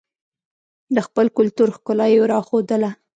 د خپل کلتور ښکلا یې راښودله.